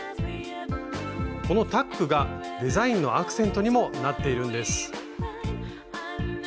このタックがデザインのアクセントにもなっているんです。